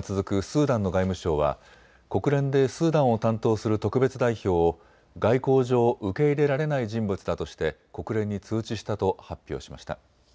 スーダンの外務省は国連でスーダンを担当する特別代表を外交上、受け入れられない人物だとして国連に通知したと発表しました。